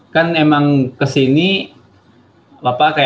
kan emang kesini kayak ada programnya gitu gitu ya